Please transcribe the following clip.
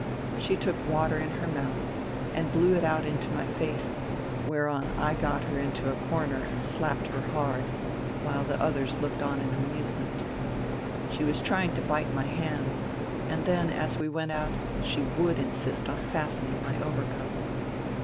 She took water in her mouth and blew it out into my face, whereon I got her into a corner and slapped her hard, while the others looked on in amusement. She was trying to bite my hands ; and then as we went out she would insist on fastening my overcoat.